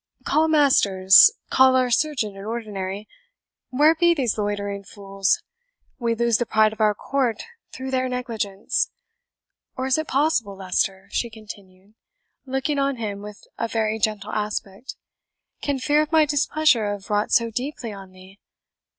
"Call Masters call our surgeon in ordinary. Where be these loitering fools? we lose the pride of our court through their negligence. Or is it possible, Leicester," she continued, looking on him with a very gentle aspect, "can fear of my displeasure have wrought so deeply on thee?